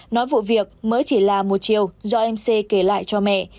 nói vụ việc mới chỉ là một chiều do mc kể lại cho mẹ